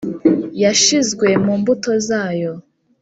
yashizwe mu mbuto zayo;